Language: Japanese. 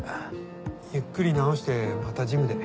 ゆっくり治してまたジムで。